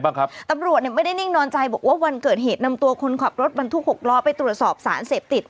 บอกว่าวันเกิดเหตุนำตัวคนขับรถบันทุกขกล้อไปตรวจสอบสารเสพติด